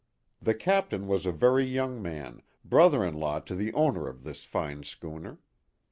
The captain was a very young man, brother in law to the owner of this fine schooner.